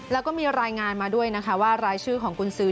แล้วก็มีรายงานมาด้วยนะคะว่ารายชื่อของกุญซื้อ